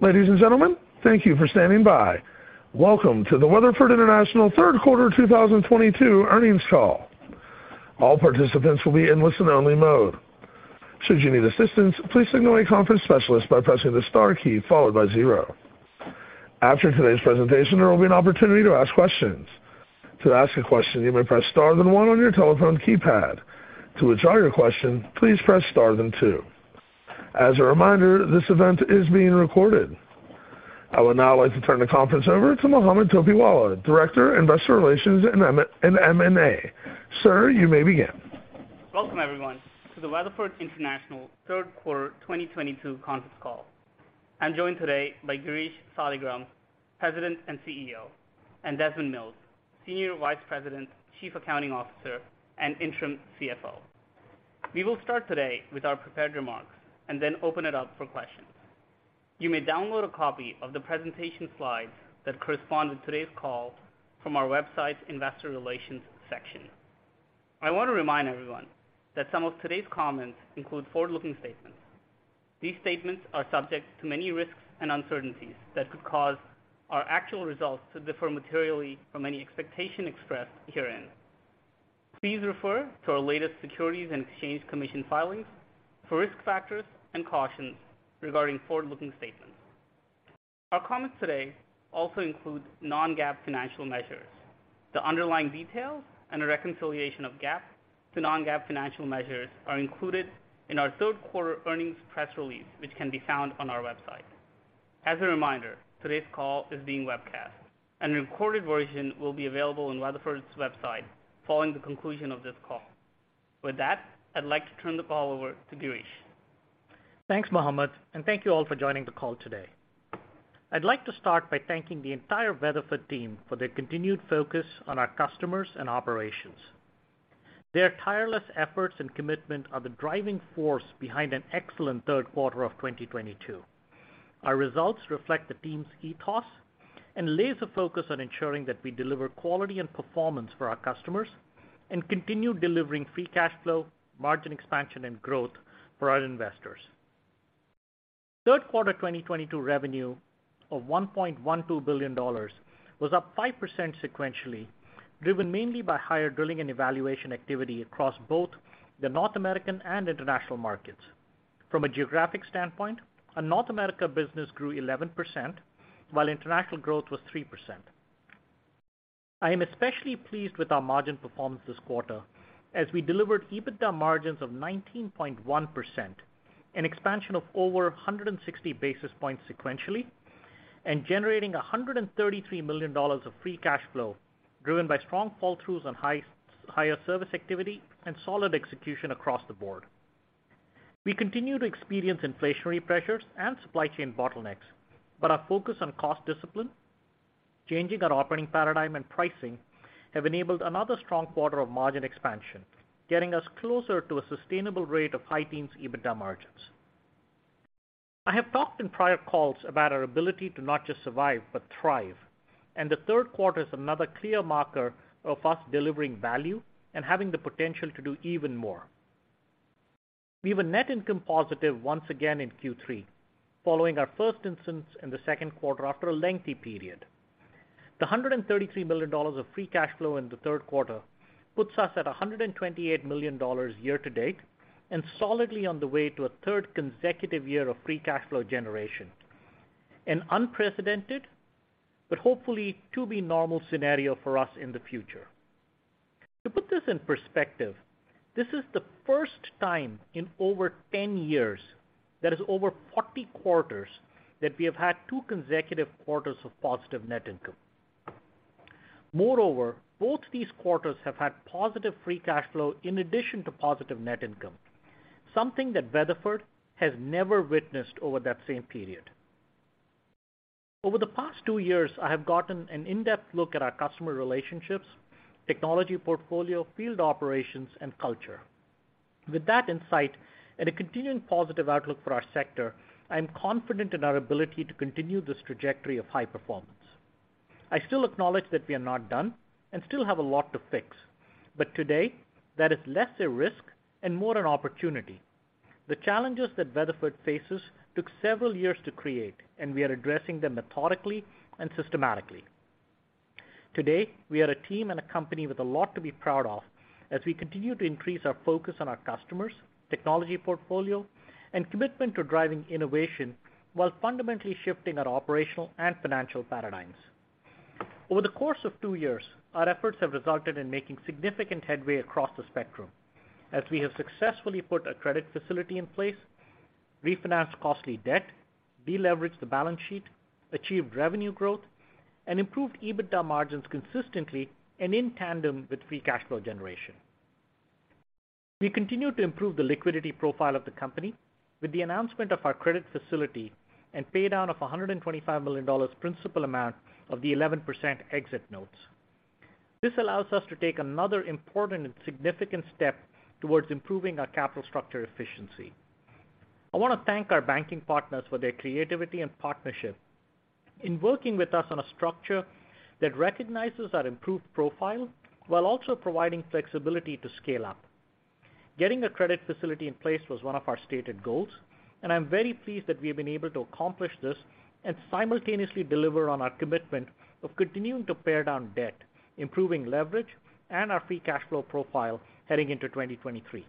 Ladies and gentlemen, thank you for standing by. Welcome to the Weatherford International third quarter 2022 earnings call. All participants will be in listen-only mode. Should you need assistance, please signal a conference specialist by pressing the star key followed by zero. After today's presentation, there will be an opportunity to ask questions. To ask a question, you may press Star then one on your telephone keypad. To withdraw your question, please press Star then two. As a reminder, this event is being recorded. I would now like to turn the conference over to Mohammed Topiwala, Vice President, Investor Relations and M&A. Sir, you may begin. Welcome everyone to the Weatherford International third quarter 2022 conference call. I'm joined today by Girish Saligram, President and CEO, and Desmond Mills, Senior Vice President, Chief Accounting Officer, and Interim CFO. We will start today with our prepared remarks and then open it up for questions. You may download a copy of the presentation slides that correspond to today's call from our website's investor relations section. I want to remind everyone that some of today's comments include forward-looking statements. These statements are subject to many risks and uncertainties that could cause our actual results to differ materially from any expectation expressed herein. Please refer to our latest Securities and Exchange Commission filings for risk factors and cautions regarding forward-looking statements. Our comments today also include non-GAAP financial measures. The underlying details and a reconciliation of GAAP to non-GAAP financial measures are included in our third quarter earnings press release, which can be found on our website. As a reminder, today's call is being webcast, and a recorded version will be available on Weatherford's website following the conclusion of this call. With that, I'd like to turn the call over to Girish. Thanks, Mohammed, and thank you all for joining the call today. I'd like to start by thanking the entire Weatherford team for their continued focus on our customers and operations. Their tireless efforts and commitment are the driving force behind an excellent third quarter of 2022. Our results reflect the team's ethos and laser focus on ensuring that we deliver quality and performance for our customers and continue delivering free cash flow, margin expansion, and growth for our investors. Third quarter 2022 revenue of $1.12 billion was up 5% sequentially, driven mainly by higher drilling and evaluation activity across both the North American and international markets. From a geographic standpoint, our North America business grew 11%, while international growth was 3%. I am especially pleased with our margin performance this quarter as we delivered EBITDA margins of 19.1%, an expansion of over 160 basis points sequentially, and generating $133 million of free cash flow, driven by strong flow-throughs and higher service activity and solid execution across the board. We continue to experience inflationary pressures and supply chain bottlenecks, but our focus on cost discipline, changing our operating paradigm and pricing have enabled another strong quarter of margin expansion, getting us closer to a sustainable rate of high teens EBITDA margins. I have talked in prior calls about our ability to not just survive, but thrive, and the third quarter is another clear marker of us delivering value and having the potential to do even more. We have a net income positive once again in Q3, following our first instance in the second quarter after a lengthy period. The $133 million of free cash flow in the third quarter puts us at $128 million year to date and solidly on the way to a third consecutive year of free cash flow generation. An unprecedented but hopefully to be normal scenario for us in the future. To put this in perspective, this is the first time in over 10 years, that is over 40 quarters, that we have had two consecutive quarters of positive net income. Moreover, both these quarters have had positive free cash flow in addition to positive net income, something that Weatherford has never witnessed over that same period. Over the past two years, I have gotten an in-depth look at our customer relationships, technology portfolio, field operations, and culture. With that insight and a continuing positive outlook for our sector, I am confident in our ability to continue this trajectory of high performance. I still acknowledge that we are not done and still have a lot to fix, but today that is less a risk and more an opportunity. The challenges that Weatherford faces took several years to create, and we are addressing them methodically and systematically. Today, we are a team and a company with a lot to be proud of as we continue to increase our focus on our customers, technology portfolio, and commitment to driving innovation while fundamentally shifting our operational and financial paradigms. Over the course of two years, our efforts have resulted in making significant headway across the spectrum as we have successfully put a credit facility in place, refinanced costly debt, deleveraged the balance sheet, achieved revenue growth, and improved EBITDA margins consistently and in tandem with free cash flow generation. We continue to improve the liquidity profile of the company with the announcement of our credit facility and pay down of $125 million principal amount of the 11% exit notes. This allows us to take another important and significant step towards improving our capital structure efficiency. I wanna thank our banking partners for their creativity and partnership in working with us on a structure that recognizes our improved profile while also providing flexibility to scale up. Getting a credit facility in place was one of our stated goals, and I'm very pleased that we have been able to accomplish this and simultaneously deliver on our commitment of continuing to pare down debt, improving leverage, and our free cash flow profile heading into 2023.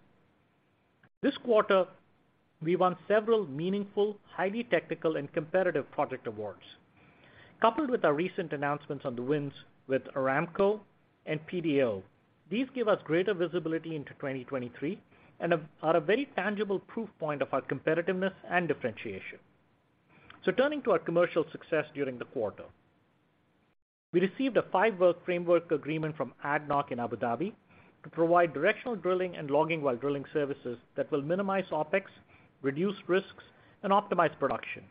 This quarter, we won several meaningful, highly technical, and competitive project awards. Coupled with our recent announcements on the wins with Aramco and PDO, these give us greater visibility into 2023 and are a very tangible proof point of our competitiveness and differentiation. Turning to our commercial success during the quarter. We received a five-year framework agreement from ADNOC in Abu Dhabi to provide directional drilling and logging while drilling services that will minimize OpEx, reduce risks, and optimize production.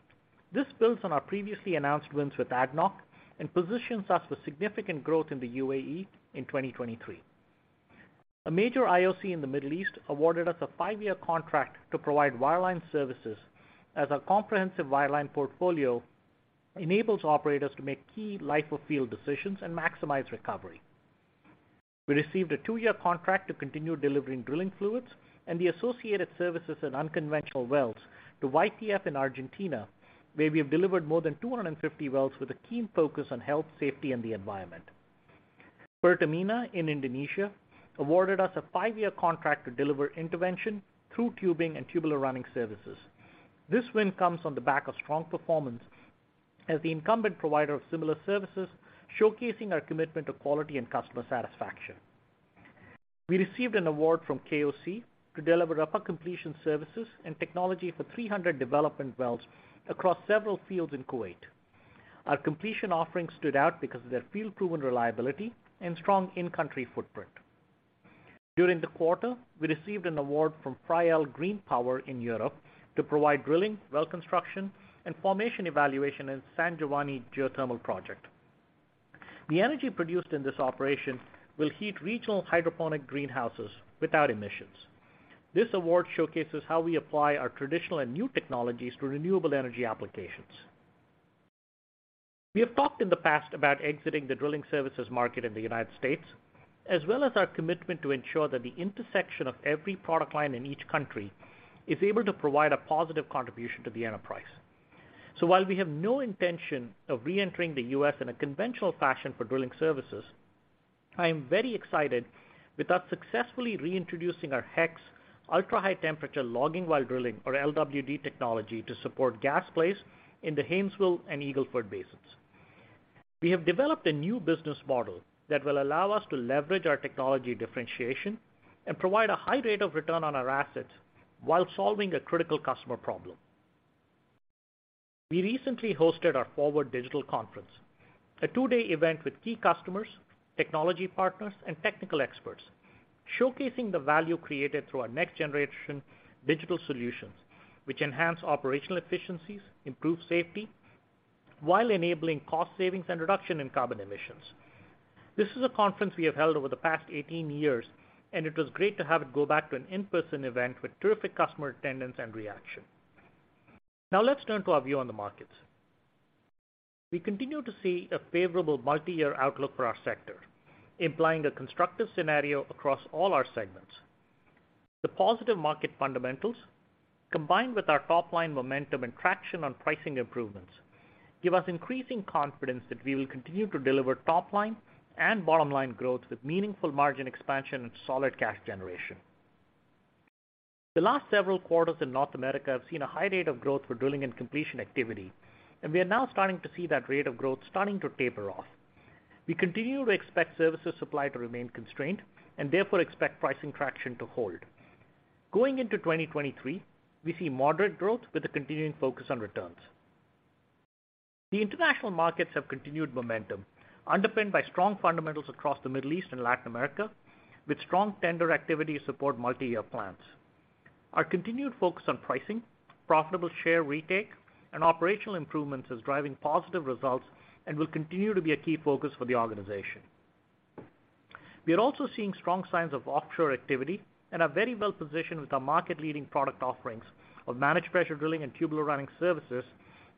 This builds on our previously announced wins with ADNOC and positions us for significant growth in the UAE in 2023. A major IOC in the Middle East awarded us a five-year contract to provide wireline services as our comprehensive wireline portfolio enables operators to make key life of field decisions and maximize recovery. We received a two-year contract to continue delivering drilling fluids and the associated services in unconventional wells to YPF in Argentina, where we have delivered more than 250 wells with a keen focus on health, safety, and the environment. Pertamina in Indonesia awarded us a five-year contract to deliver intervention through tubing and tubular running services. This win comes on the back of strong performance as the incumbent provider of similar services, showcasing our commitment to quality and customer satisfaction. We received an award from KOC to deliver upper completion services and technology for 300 development wells across several fields in Kuwait. Our completion offerings stood out because of their field-proven reliability and strong in-country footprint. During the quarter, we received an award from Enel Green Power in Europe to provide drilling, well construction, and formation evaluation in San Giovanni geothermal project. The energy produced in this operation will heat regional hydroponic greenhouses without emissions. This award showcases how we apply our traditional and new technologies to renewable energy applications. We have talked in the past about exiting the drilling services market in the United States, as well as our commitment to ensure that the intersection of every product line in each country is able to provide a positive contribution to the enterprise. While we have no intention of reentering the US in a conventional fashion for drilling services, I am very excited with us successfully reintroducing our HEX ultra-high temperature logging while drilling, or LWD technology, to support gas plays in the Haynesville and Eagle Ford basins. We have developed a new business model that will allow us to leverage our technology differentiation and provide a high rate of return on our assets while solving a critical customer problem. We recently hosted our FORWARD Digital Conference, a two-day event with key customers, technology partners, and technical experts, showcasing the value created through our next-generation digital solutions, which enhance operational efficiencies, improve safety, while enabling cost savings and reduction in carbon emissions. This is a conference we have held over the past 18 years, and it was great to have it go back to an in-person event with terrific customer attendance and reaction. Now let's turn to our view on the markets. We continue to see a favorable multiyear outlook for our sector, implying a constructive scenario across all our segments. The positive market fundamentals, combined with our top-line momentum and traction on pricing improvements, give us increasing confidence that we will continue to deliver top-line and bottom-line growth with meaningful margin expansion and solid cash generation. The last several quarters in North America have seen a high rate of growth for drilling and completion activity, and we are now starting to see that rate of growth starting to taper off. We continue to expect services supply to remain constrained and therefore expect pricing traction to hold. Going into 2023, we see moderate growth with a continuing focus on returns. The international markets have continued momentum, underpinned by strong fundamentals across the Middle East and Latin America, with strong tender activity support multiyear plans. Our continued focus on pricing, profitable share retake, and operational improvements is driving positive results and will continue to be a key focus for the organization. We are also seeing strong signs of offshore activity and are very well positioned with our market-leading product offerings of managed pressure drilling and tubular running services,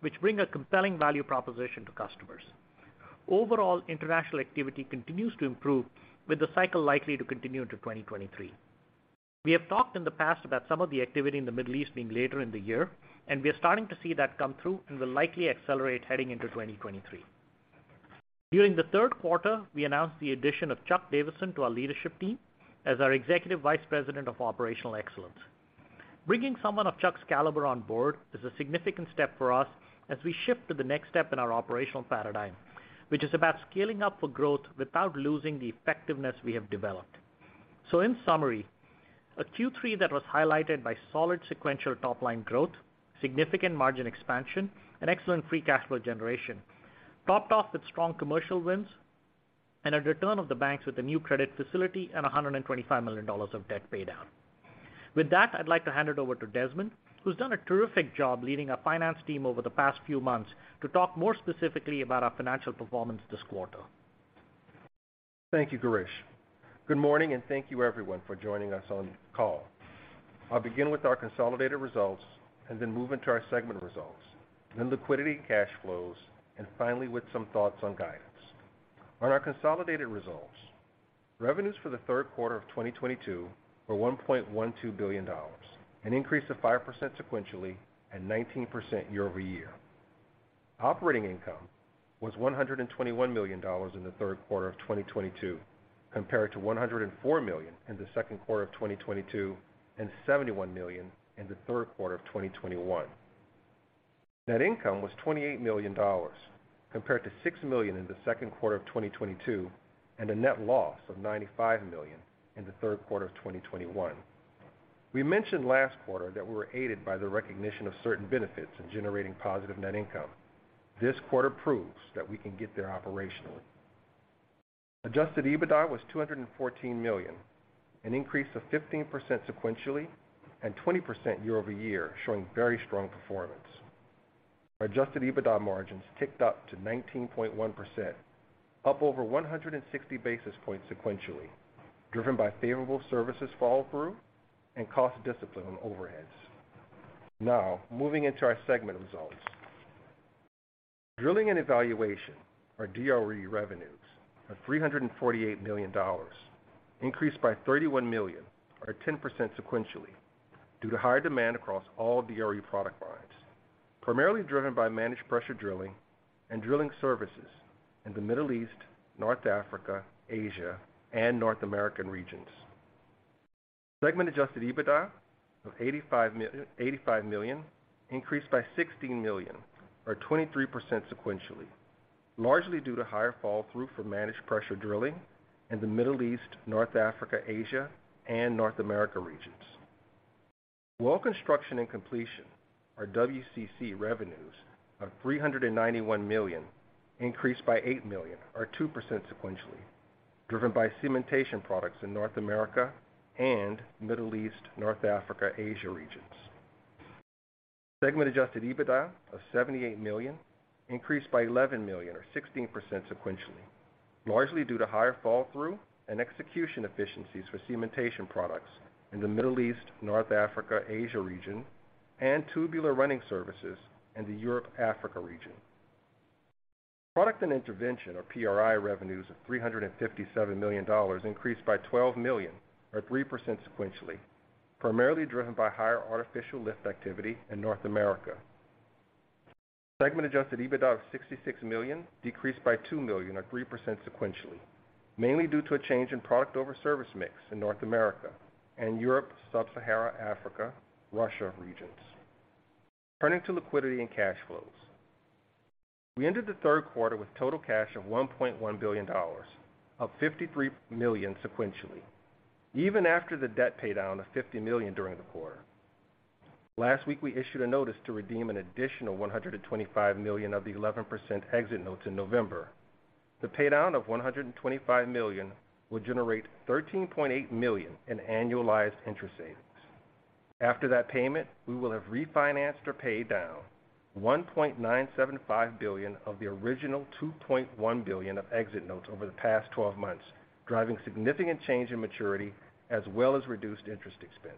which bring a compelling value proposition to customers. Overall, international activity continues to improve, with the cycle likely to continue into 2023. We have talked in the past about some of the activity in the Middle East being later in the year, and we are starting to see that come through and will likely accelerate heading into 2023. During the third quarter, we announced the addition of Charles Davison, Jr. to our leadership team as our Executive Vice President of Operational Excellence. Bringing someone of Charles Davison, Jr.'s caliber on board is a significant step for us as we shift to the next step in our operational paradigm, which is about scaling up for growth without losing the effectiveness we have developed. In summary, a Q3 that was highlighted by solid sequential top-line growth, significant margin expansion, and excellent free cash flow generation, topped off with strong commercial wins and a return of the banks with a new credit facility and $125 million of debt paydown. With that, I'd like to hand it over to Desmond, who's done a terrific job leading our finance team over the past few months, to talk more specifically about our financial performance this quarter. Thank you, Girish. Good morning, and thank you, everyone, for joining us on call. I'll begin with our consolidated results and then move into our segment results, then liquidity and cash flows, and finally, with some thoughts on guidance. On our consolidated results, revenues for the third quarter of 2022 were $1.12 billion, an increase of 5% sequentially and 19% year-over-year. Operating income was $121 million in the third quarter of 2022 compared to $104 million in the second quarter of 2022 and $71 million in the third quarter of 2021. Net income was $28 million compared to $6 million in the second quarter of 2022 and a net loss of $95 million in the third quarter of 2021. We mentioned last quarter that we were aided by the recognition of certain benefits in generating positive net income. This quarter proves that we can get there operationally. Adjusted EBITDA was $214 million, an increase of 15% sequentially and 20% year-over-year, showing very strong performance. Our adjusted EBITDA margins ticked up to 19.1%, up over 160 basis points sequentially, driven by favorable services fall through and cost discipline on overheads. Now, moving into our segment results. Drilling and Evaluation, our DRE revenues of $348 million increased by $31 million or 10% sequentially due to higher demand across all DRE product lines, primarily driven by managed pressure drilling and drilling services in the Middle East, North Africa, Asia, and North American regions. Segment adjusted EBITDA of $85 million increased by $16 million or 23% sequentially, largely due to higher flow-through for managed pressure drilling in the Middle East, North Africa, Asia, and North America regions. Well construction and completion, our WCC revenues of $391 million increased by $8 million or 2% sequentially, driven by cementation products in North America and Middle East, North Africa, Asia regions. Segment adjusted EBITDA of $78 million increased by $11 million or 16% sequentially, largely due to higher flow-through and execution efficiencies for cementation products in the Middle East, North Africa, Asia region, and tubular running services in the Europe, Africa region. Product and intervention or PRI revenues of $357 million increased by $12 million or 3% sequentially, primarily driven by higher artificial lift activity in North America. Segment adjusted EBITDA of $66 million decreased by $2 million or 3% sequentially, mainly due to a change in product over service mix in North America and Europe, Sub-Saharan Africa, Russia regions. Turning to liquidity and cash flows. We ended the third quarter with total cash of $1.1 billion, up $53 million sequentially, even after the debt pay down of $50 million during the quarter. Last week, we issued a notice to redeem an additional $125 million of the 11% exit notes in November. The pay down of $125 million will generate $13.8 million in annualized interest savings. After that payment, we will have refinanced or paid down $1.975 billion of the original $2.1 billion of exit notes over the past twelve months, driving significant change in maturity as well as reduced interest expense.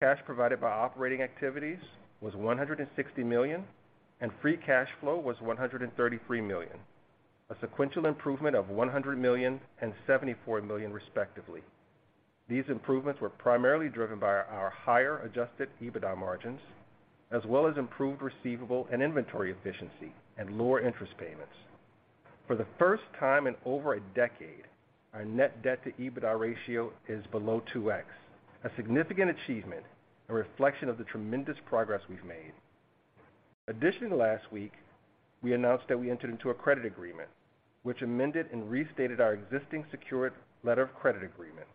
Cash provided by operating activities was $160 million, and free cash flow was $133 million, a sequential improvement of $100 million and $74 million respectively. These improvements were primarily driven by our higher adjusted EBITDA margins, as well as improved receivable and inventory efficiency and lower interest payments. For the first time in over a decade, our net debt to EBITDA ratio is below 2x, a significant achievement, a reflection of the tremendous progress we've made. Additionally, last week, we announced that we entered into a credit agreement which amended and restated our existing secured letter of credit agreement.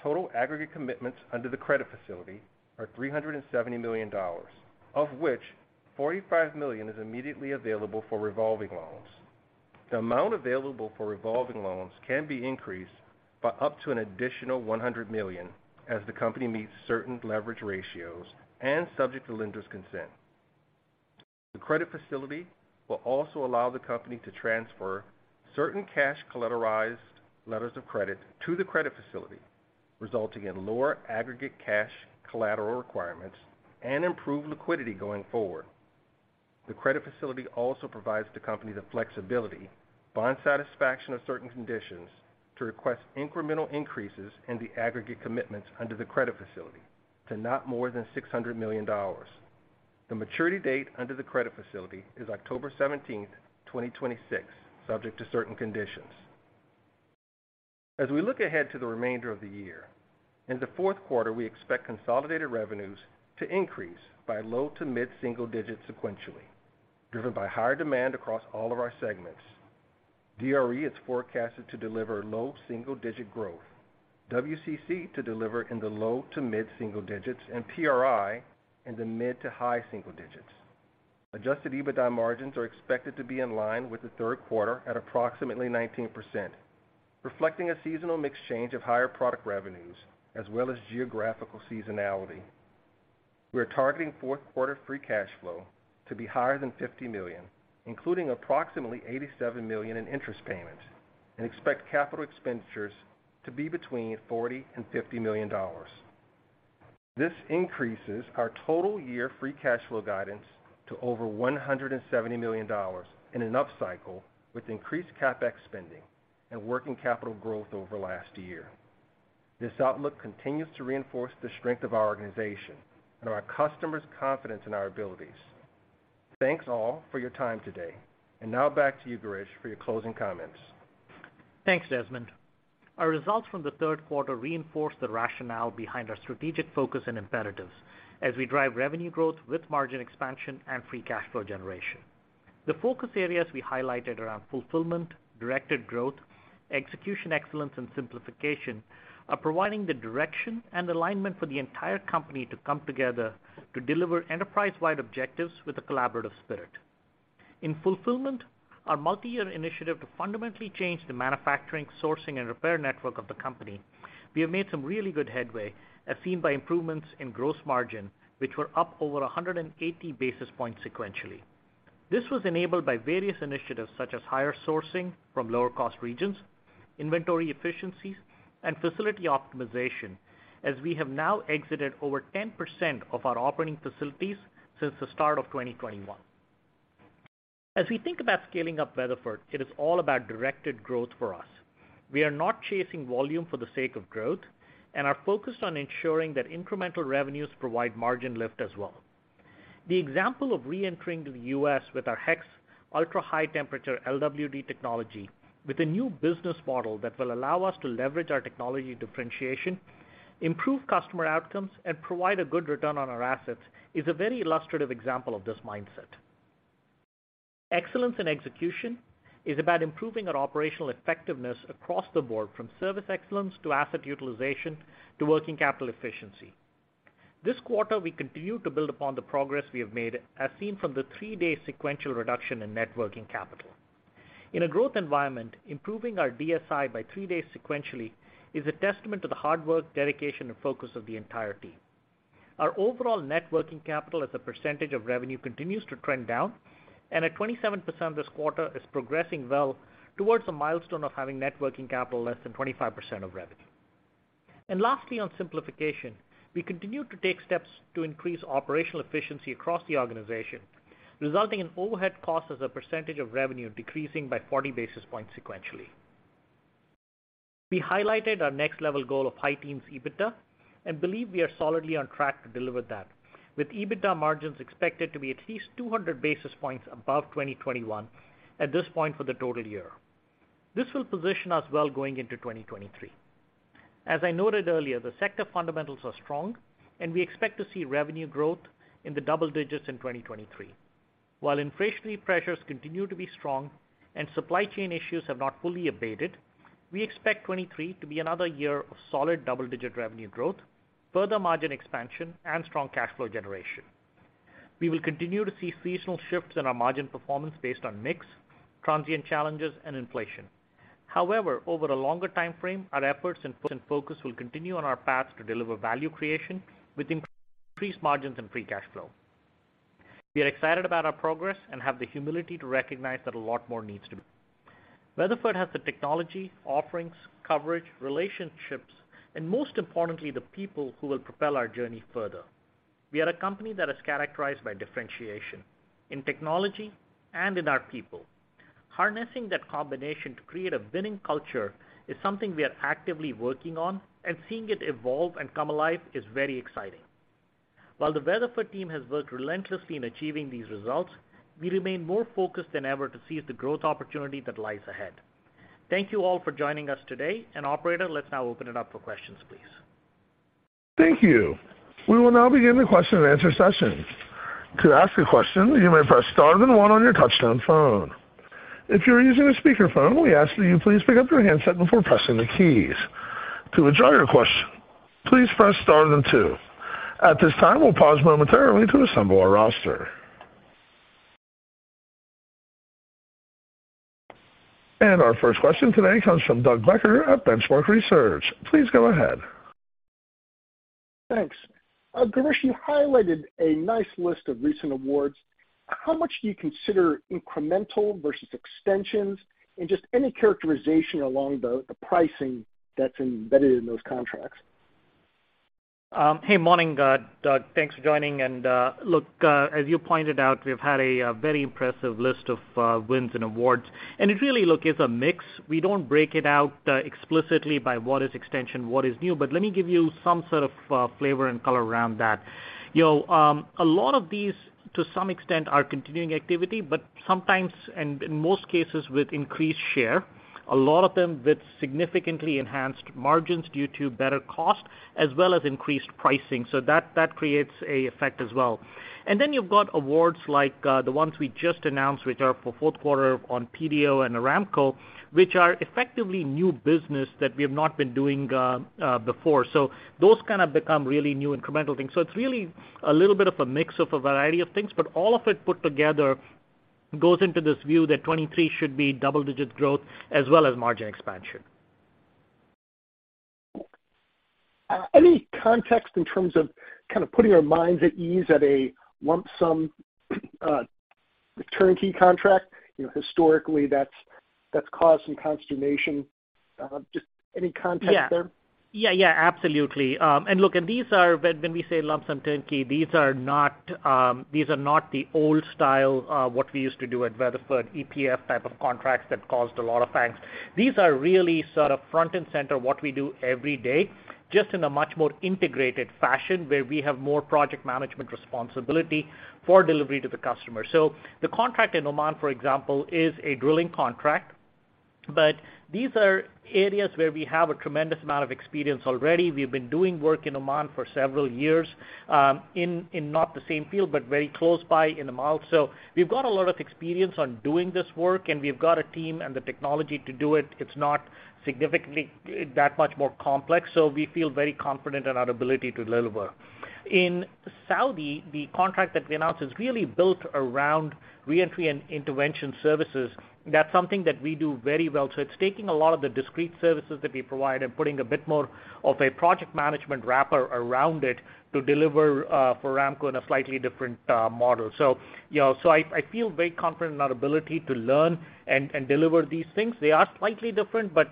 Total agGreggate commitments under the credit facility are $370 million, of which $45 million is immediately available for revolving loans. The amount available for revolving loans can be increased by up to an additional $100 million as the company meets certain leverage ratios and subject to lender's consent. The credit facility will also allow the company to transfer certain cash collateralized letters of credit to the credit facility, resulting in lower agGreggate cash collateral requirements and improved liquidity going forward. The credit facility also provides the company the flexibility, upon satisfaction of certain conditions, to request incremental increases in the agGreggate commitments under the credit facility to not more than $600 million. The maturity date under the credit facility is October 17, 2026, subject to certain conditions. As we look ahead to the remainder of the year, in the fourth quarter, we expect consolidated revenues to increase by low to mid single digits sequentially, driven by higher demand across all of our segments. DRE is forecasted to deliver low single-digit growth, WCC to deliver in the low to mid single digits, and PRI in the mid to high single digits. Adjusted EBITDA margins are expected to be in line with the third quarter at approximately 19%, reflecting a seasonal mix change of higher product revenues as well as geographical seasonality. We are targeting fourth quarter free cash flow to be higher than $50 million, including approximately $87 million in interest payments, and expect capital expenditures to be between $40 million and $50 million. This increases our total year free cash flow guidance to over $170 million in an upcycle with increased CapEx spending and working capital growth over last year. This outlook continues to reinforce the strength of our organization and our customers' confidence in our abilities. Thanks all for your time today. Now back to you, Girish, for your closing comments. Thanks, Desmond. Our results from the third quarter reinforce the rationale behind our strategic focus and imperatives as we drive revenue growth with margin expansion and free cash flow generation. The focus areas we highlighted around fulfillment, directed growth, execution excellence, and simplification are providing the direction and alignment for the entire company to come together to deliver enterprise-wide objectives with a collaborative spirit. In fulfillment, our multi-year initiative to fundamentally change the manufacturing, sourcing, and repair network of the company, we have made some really good headway, as seen by improvements in gross margin, which were up over 180 basis points sequentially. This was enabled by various initiatives, such as higher sourcing from lower cost regions, inventory efficiencies, and facility optimization, as we have now exited over 10% of our operating facilities since the start of 2021. As we think about scaling up Weatherford, it is all about directed growth for us. We are not chasing volume for the sake of growth and are focused on ensuring that incremental revenues provide margin lift as well. The example of reentering the U.S. with our HEX ultra-high temperature LWD technology with a new business model that will allow us to leverage our technology differentiation, improve customer outcomes, and provide a good return on our assets is a very illustrative example of this mindset. Excellence in execution is about improving our operational effectiveness across the board, from service excellence to asset utilization to working capital efficiency. This quarter, we continue to build upon the progress we have made, as seen from the three-day sequential reduction in net working capital. In a growth environment, improving our DSI by three days sequentially is a testament to the hard work, dedication, and focus of the entire team. Our overall net working capital as a percentage of revenue continues to trend down, and at 27% this quarter is progressing well towards the milestone of having net working capital less than 25% of revenue. Lastly, on simplification, we continue to take steps to increase operational efficiency across the organization, resulting in overhead costs as a percentage of revenue decreasing by 40 basis points sequentially. We highlighted our next level goal of high teens EBITDA and believe we are solidly on track to deliver that, with EBITDA margins expected to be at least 200 basis points above 2021 at this point for the total year. This will position us well going into 2023. As I noted earlier, the sector fundamentals are strong, and we expect to see revenue growth in the double digits in 2023. While inflationary pressures continue to be strong and supply chain issues have not fully abated, we expect 2023 to be another year of solid double-digit revenue growth, further margin expansion, and strong cash flow generation. We will continue to see seasonal shifts in our margin performance based on mix, transient challenges, and inflation. However, over a longer time frame, our efforts and focus will continue on our paths to deliver value creation with increased margins and free cash flow. We are excited about our progress and have the humility to recognize that a lot more needs to be done. Weatherford has the technology, offerings, coverage, relationships, and most importantly, the people who will propel our journey further. We are a company that is characterized by differentiation in technology and in our people. Harnessing that combination to create a winning culture is something we are actively working on, and seeing it evolve and come alive is very exciting. While the Weatherford team has worked relentlessly in achieving these results, we remain more focused than ever to seize the growth opportunity that lies ahead. Thank you all for joining us today. Operator, let's now open it up for questions, please. Thank you. We will now begin the question and answer session. To ask a question, you may press star then one on your touchtone phone. If you are using a speakerphone, we ask that you please pick up your handset before pressing the keys. To withdraw your question, please press star then two. At this time, we'll pause momentarily to assemble our roster. Our first question today comes from Doug Becker at The Benchmark Company. Please go ahead. Thanks. Girish, you highlighted a nice list of recent awards. How much do you consider incremental versus extensions, and just any characterization along the pricing that's embedded in those contracts? Hey, morning, Doug, thanks for joining. Look, as you pointed out, we've had a very impressive list of wins and awards, and it really, look, is a mix. We don't break it out explicitly by what is extension, what is new, but let me give you some sort of flavor and color around that. You know, a lot of these, to some extent, are continuing activity, but sometimes, and in most cases, with increased share, a lot of them with significantly enhanced margins due to better cost as well as increased pricing. That creates an effect as well. Then you've got awards like the ones we just announced, which are for fourth quarter on PDO and Aramco, which are effectively new business that we have not been doing before. Those kind of become really new incremental things. It's really a little bit of a mix of a variety of things, but all of it put together goes into this view that 2023 should be double-digit growth as well as margin expansion. Any context in terms of kind of putting our minds at ease at a lump sum turnkey contract? You know, historically, that's caused some consternation. Just any context there? Yeah. Absolutely. Look, when we say lump sum turnkey, these are not the old style what we used to do at Weatherford EPF type of contracts that caused a lot of pains. These are really sort of front and center what we do every day, just in a much more integrated fashion where we have more project management responsibility for delivery to the customer. The contract in Oman, for example, is a drilling contract, but these are areas where we have a tremendous amount of experience already. We've been doing work in Oman for several years, in not the same field, but very close by in similar fields. We've got a lot of experience on doing this work, and we've got a team and the technology to do it. It's not significantly that much more complex, so we feel very confident in our ability to deliver. In Saudi, the contract that we announced is really built around reentry and intervention services. That's something that we do very well. It's taking a lot of the discrete services that we provide and putting a bit more of a project management wrapper around it to deliver for Aramco in a slightly different model. You know, I feel very confident in our ability to learn and deliver these things. They are slightly different, but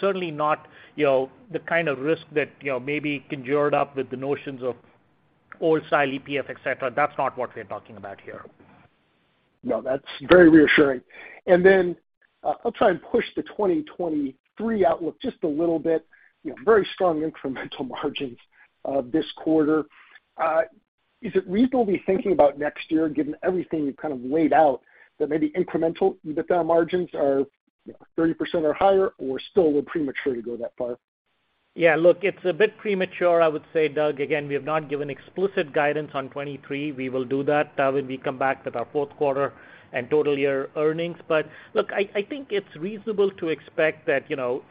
certainly not, you know, the kind of risk that, you know, maybe conjured up with the notions of old style EPF, et cetera. That's not what we're talking about here. No, that's very reassuring. I'll try and push the 2023 outlook just a little bit. You know, very strong incremental margins this quarter. Is it reasonable to be thinking about next year, given everything you've kind of laid out, that maybe incremental EBITDA margins are 30% or higher, or are we still premature to go that far? Yeah. Look, it's a bit premature, I would say, Doug. Again, we have not given explicit guidance on 2023. We will do that when we come back with our fourth quarter and total year earnings. Look, I think it's reasonable to expect that, you know,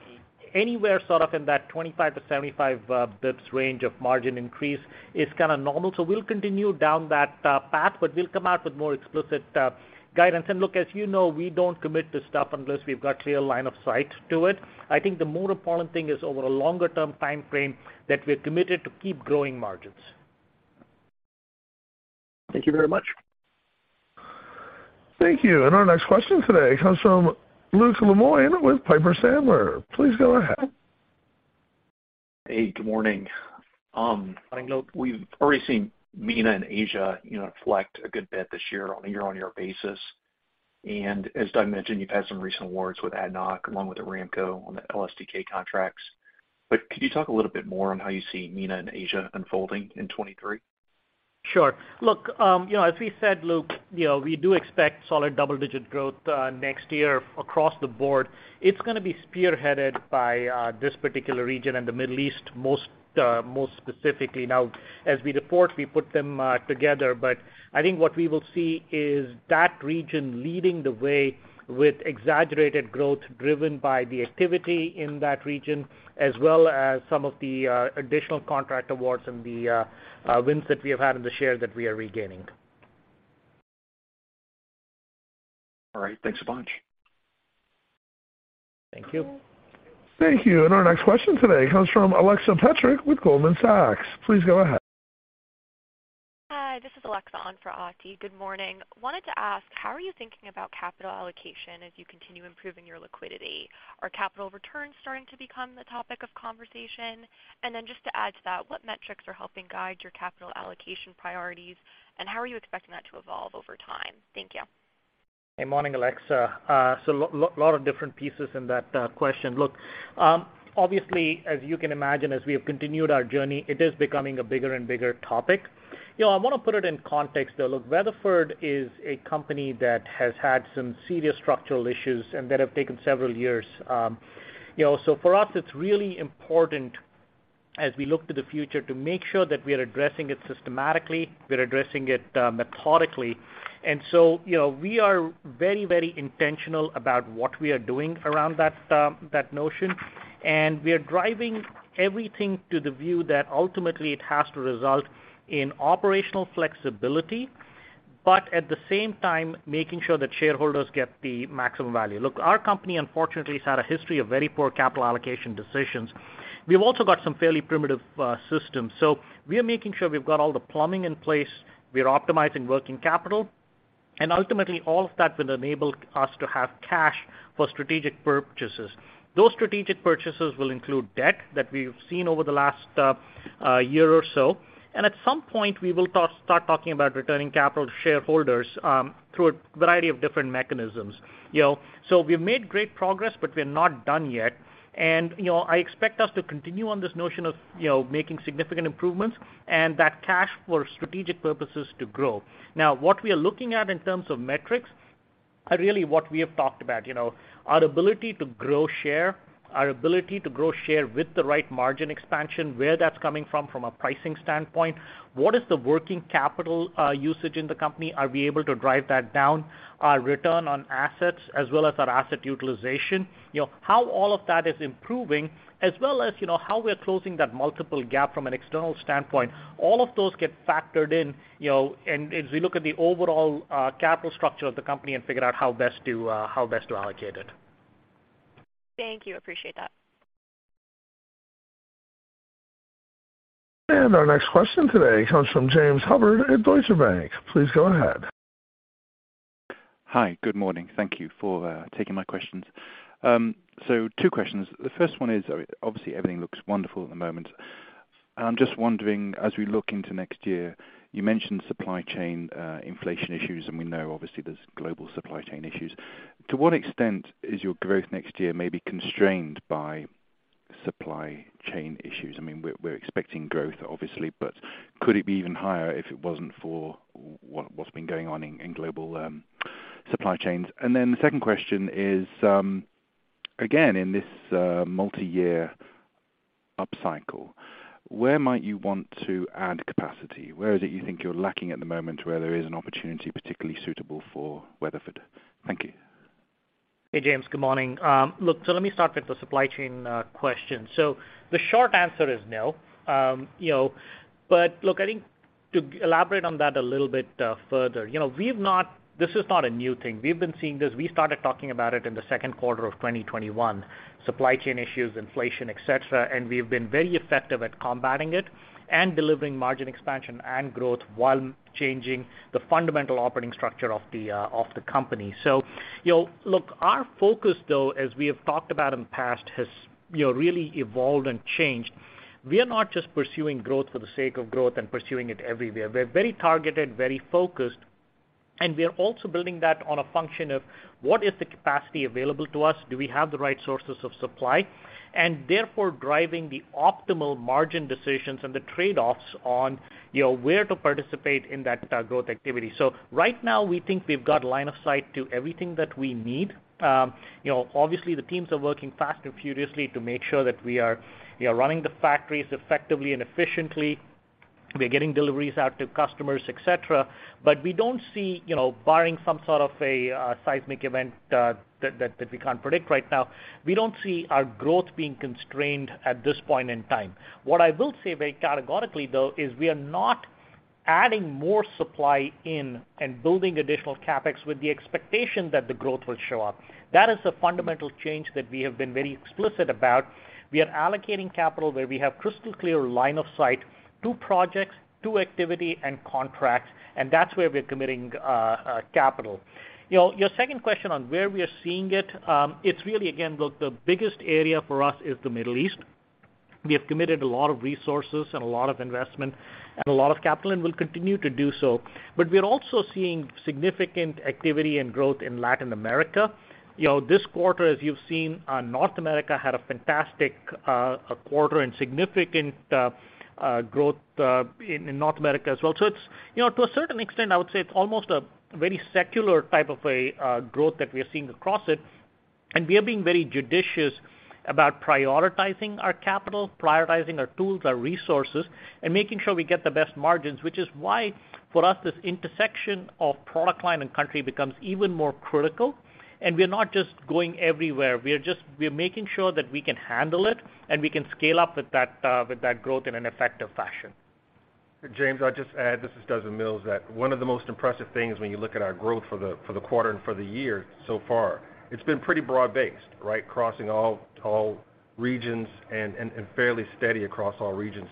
anywhere sort of in that 25-75 BPS range of margin increase is kinda normal. We'll continue down that path, but we'll come out with more explicit guidance. Look, as you know, we don't commit to stuff unless we've got clear line of sight to it. I think the more important thing is over a longer term time frame that we're committed to keep growing margins. Thank you very much. Thank you. Our next question today comes from Luke Lemoine with Piper Sandler. Please go ahead. Hey. Good morning. I know we've already seen MENA and Asia, you know, collect a good bit this year on a year-on-year basis. As Doug mentioned, you've had some recent awards with ADNOC along with the Aramco on the LSTK contracts. Could you talk a little bit more on how you see MENA and Asia unfolding in 2023? Sure. Look, you know, as we said, Luke, you know, we do expect solid double-digit growth next year across the board. It's gonna be spearheaded by this particular region and the Middle East most specifically. Now, as we report, we put them together, but I think what we will see is that region leading the way with exaggerated growth driven by the activity in that region, as well as some of the additional contract awards and the wins that we have had in the share that we are regaining. All right. Thanks a bunch. Thank you. Thank you. Our next question today comes from Alexa Petrick with Goldman Sachs. Please go ahead. Hi. This is Alexa on for Atif Malik. Good morning. Wanted to ask, how are you thinking about capital allocation as you continue improving your liquidity? Are capital returns starting to become the topic of conversation? Then just to add to that, what metrics are helping guide your capital allocation priorities, and how are you expecting that to evolve over time? Thank you. Hey. Morning, Alexa. Lot of different pieces in that question. Look, obviously, as you can imagine, as we have continued our journey, it is becoming a bigger and bigger topic. You know, I wanna put it in context, though. Look, Weatherford is a company that has had some serious structural issues and that have taken several years. You know, for us, it's really important as we look to the future to make sure that we are addressing it systematically, we're addressing it, methodically. You know, we are very, very intentional about what we are doing around that notion. We are driving everything to the view that ultimately it has to result in operational flexibility, but at the same time, making sure that shareholders get the maximum value. Look, our company unfortunately has had a history of very poor capital allocation decisions. We've also got some fairly primitive systems. We are making sure we've got all the plumbing in place, we're optimizing working capital, and ultimately, all of that will enable us to have cash for strategic purchases. Those strategic purchases will include debt that we've seen over the last year or so. At some point, we will start talking about returning capital to shareholders through a variety of different mechanisms, you know. We've made great progress, but we're not done yet. You know, I expect us to continue on this notion of, you know, making significant improvements and that cash for strategic purposes to grow. Now, what we are looking at in terms of metrics are really what we have talked about, you know. Our ability to grow share with the right margin expansion, where that's coming from a pricing standpoint. What is the working capital usage in the company? Are we able to drive that down? Our return on assets as well as our asset utilization. You know, how all of that is improving, as well as, you know, how we're closing that multiple gap from an external standpoint. All of those get factored in, you know, and as we look at the overall capital structure of the company and figure out how best to allocate it. Thank you. Appreciate that. Our next question today comes from James West at Deutsche Bank. Please go ahead. Hi, good morning. Thank you for taking my questions. So two questions. The first one is, obviously everything looks wonderful at the moment, and I'm just wondering, as we look into next year, you mentioned supply chain inflation issues, and we know obviously there's global supply chain issues. To what extent is your growth next year maybe constrained by supply chain issues? I mean, we're expecting growth, obviously, but could it be even higher if it wasn't for what's been going on in global supply chains? And then the second question is, again, in this multiyear upcycle, where might you want to add capacity? Where is it you think you're lacking at the moment where there is an opportunity particularly suitable for Weatherford? Thank you. Hey, James. Good morning. Look, let me start with the supply chain question. The short answer is no. I think to elaborate on that a little bit further, you know, this is not a new thing. We've been seeing this. We started talking about it in the second quarter of 2021, supply chain issues, inflation, et cetera. We've been very effective at combating it and delivering margin expansion and growth while changing the fundamental operating structure of the company. You know, look, our focus, though, as we have talked about in the past, has, you know, really evolved and changed. We are not just pursuing growth for the sake of growth and pursuing it everywhere. We're very targeted, very focused, and we are also building that on a function of what is the capacity available to us? Do we have the right sources of supply? Therefore driving the optimal margin decisions and the trade-offs on, you know, where to participate in that, growth activity. Right now, we think we've got line of sight to everything that we need. You know, obviously the teams are working fast and furiously to make sure that we are, you know, running the factories effectively and efficiently. We're getting deliveries out to customers, et cetera. We don't see, you know, barring some sort of a seismic event that we can't predict right now, we don't see our growth being constrained at this point in time. What I will say very categorically, though, is we are not adding more supply in and building additional CapEx with the expectation that the growth will show up. That is a fundamental change that we have been very explicit about. We are allocating capital where we have crystal clear line of sight to projects, to activity and contracts, and that's where we're committing capital. You know, your second question on where we are seeing it's really, again, the biggest area for us is the Middle East. We have committed a lot of resources and a lot of investment and a lot of capital and will continue to do so. We're also seeing significant activity and growth in Latin America. You know, this quarter, as you've seen, North America had a fantastic quarter and significant growth in North America as well. It's, you know, to a certain extent, I would say it's almost a very secular type of a growth that we are seeing across it. We are being very judicious about prioritizing our capital, prioritizing our tools, our resources, and making sure we get the best margins, which is why for us, this intersection of product line and country becomes even more critical. We're not just going everywhere. We are making sure that we can handle it, and we can scale up with that growth in an effective fashion. James, I'll just add, this is Desmond Mills, that one of the most impressive things when you look at our growth for the quarter and for the year so far, it's been pretty broad-based, right? Crossing all regions and fairly steady across all regions.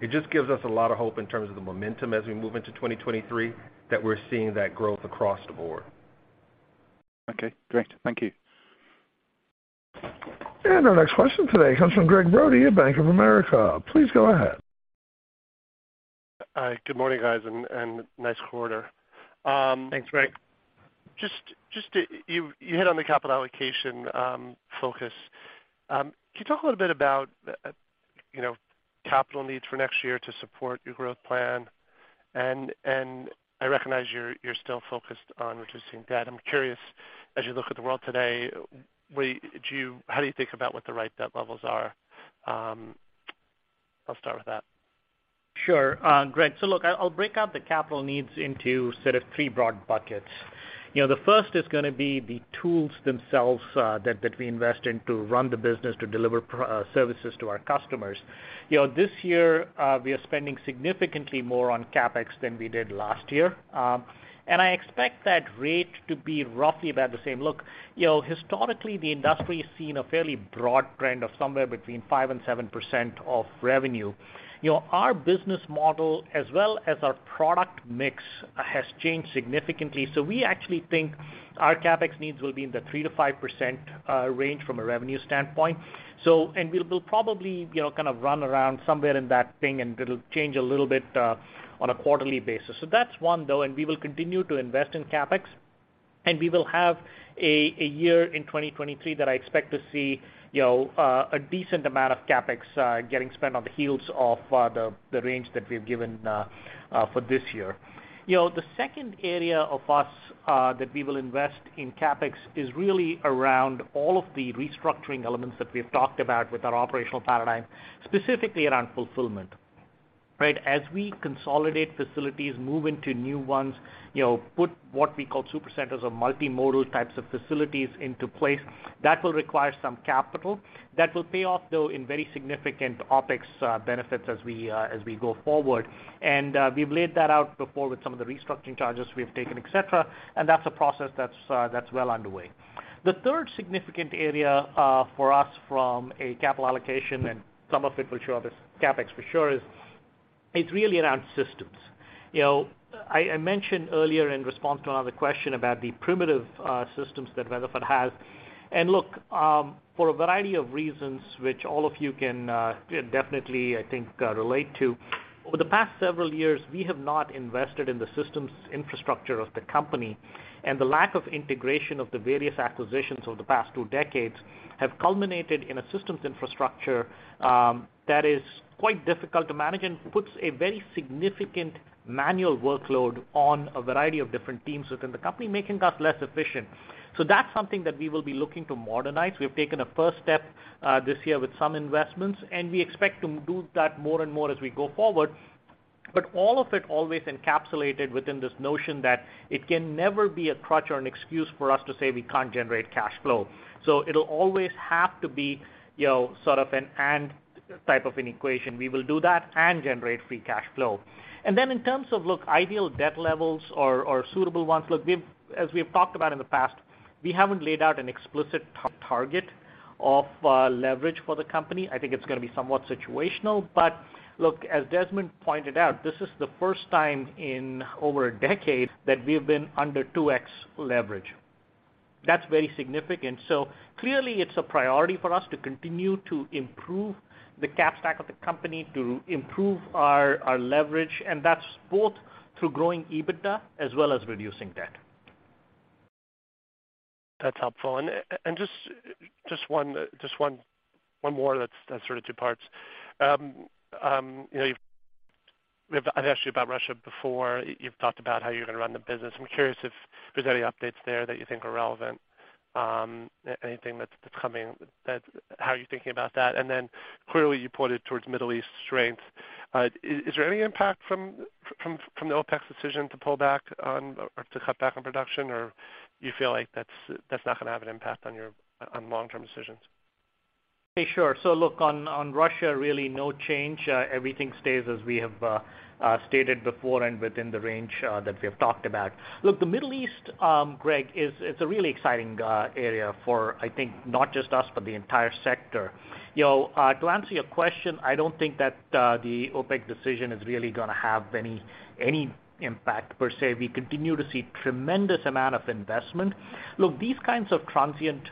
It just gives us a lot of hope in terms of the momentum as we move into 2023, that we're seeing that growth across the board. Okay, great. Thank you. Our next question today comes from Gregg Brody at Bank of America. Please go ahead. Hi, good morning, guys, and nice quarter. Thanks, Gregg. You hit on the capital allocation focus. Can you talk a little bit about, you know, capital needs for next year to support your growth plan? I recognize you're still focused on reducing debt. I'm curious, as you look at the world today, how do you think about what the right debt levels are? I'll start with that. Sure, Gregg. Look, I'll break out the capital needs into sort of three broad buckets. You know, the first is gonna be the tools themselves, that we invest in to run the business to deliver services to our customers. You know, this year, we are spending significantly more on CapEx than we did last year. I expect that rate to be roughly about the same. Look, you know, historically, the industry has seen a fairly broad trend of somewhere between 5% and 7% of revenue. You know, our business model as well as our product mix has changed significantly. We actually think our CapEx needs will be in the 3%-5% range from a revenue standpoint. We'll probably, you know, kind of run around somewhere in that thing, and it'll change a little bit on a quarterly basis. That's one, though, and we will continue to invest in CapEx, and we will have a year in 2023 that I expect to see, you know, a decent amount of CapEx getting spent on the heels of the range that we've given for this year. You know, the second area of us that we will invest in CapEx is really around all of the restructuring elements that we've talked about with our operational paradigm, specifically around fulfillment. Right? As we consolidate facilities, move into new ones, you know, put what we call super centers or multimodal types of facilities into place, that will require some capital. That will pay off, though, in very significant OpEx benefits as we go forward. We've laid that out before with some of the restructuring charges we've taken, et cetera, and that's a process that's well underway. The third significant area for us from a capital allocation, and some of it will show up as CapEx for sure, is. It's really around systems. You know, I mentioned earlier in response to another question about the primitive systems that Weatherford has. Look, for a variety of reasons which all of you can, definitely, I think, relate to, over the past several years, we have not invested in the systems infrastructure of the company, and the lack of integration of the various acquisitions over the past two decades have culminated in a systems infrastructure, that is quite difficult to manage and puts a very significant manual workload on a variety of different teams within the company, making us less efficient. That's something that we will be looking to modernize. We've taken a first step, this year with some investments, and we expect to do that more and more as we go forward. All of it always encapsulated within this notion that it can never be a crutch or an excuse for us to say we can't generate cash flow. It'll always have to be, you know, sort of an and type of an equation. We will do that and generate free cash flow. In terms of, look, ideal debt levels or suitable ones, look, as we've talked about in the past, we haven't laid out an explicit target of leverage for the company. I think it's gonna be somewhat situational. Look, as Desmond pointed out, this is the first time in over a decade that we've been under 2x leverage. That's very significant. Clearly it's a priority for us to continue to improve the cap stack of the company, to improve our leverage, and that's both through growing EBITDA as well as reducing debt. That's helpful. Just one more that's sort of two parts. You know, I've asked you about Russia before. You've talked about how you're gonna run the business. I'm curious if there's any updates there that you think are relevant, anything that's coming that. How are you thinking about that? Clearly you pointed towards Middle East strength. Is there any impact from the OPEC's decision to pull back on or to cut back on production, or you feel like that's not gonna have an impact on your long-term decisions? Okay. Sure. Look, on Russia, really no change. Everything stays as we have stated before and within the range that we have talked about. Look, the Middle East, Gregg, it's a really exciting area for, I think, not just us, but the entire sector. You know, to answer your question, I don't think that the OPEC decision is really gonna have any impact per se. We continue to see tremendous amount of investment. Look, these kinds of transient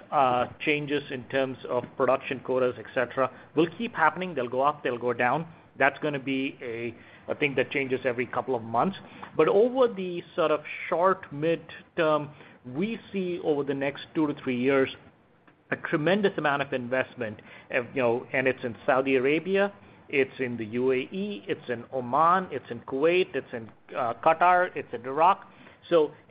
changes in terms of production quotas, et cetera, will keep happening. They'll go up, they'll go down. That's gonna be a thing that changes every couple of months. Over the sort of short, mid-term, we see over the next two to three years a tremendous amount of investment of, you know, and it's in Saudi Arabia, it's in the UAE, it's in Oman, it's in Kuwait, it's in Qatar, it's in Iraq.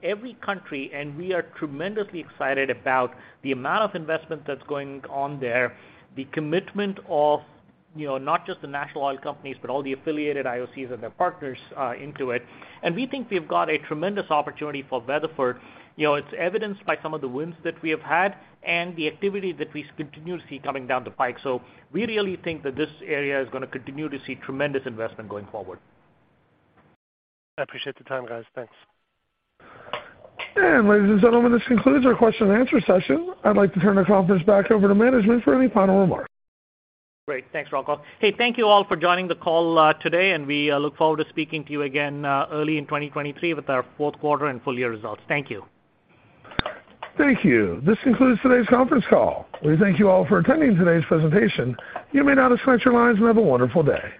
Every country, and we are tremendously excited about the amount of investment that's going on there, the commitment of, you know, not just the national oil companies, but all the affiliated IOCs and their partners into it. We think we've got a tremendous opportunity for Weatherford. You know, it's evidenced by some of the wins that we have had and the activity that we continue to see coming down the pike. We really think that this area is gonna continue to see tremendous investment going forward. I appreciate the time, guys. Thanks. Ladies and gentlemen, this concludes our question and answer session. I'd like to turn the conference back over to management for any final remarks. Great. Thanks, Rocco. Hey, thank you all for joining the call today, and we look forward to speaking to you again early in 2023 with our fourth quarter and full year results. Thank you. Thank you. This concludes today's conference call. We thank you all for attending today's presentation. You may now disconnect your lines and have a wonderful day.